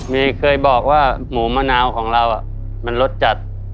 มีเคยบอกว่าหมูมะนาวของเรามันรสจัด